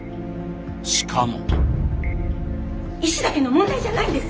しかも。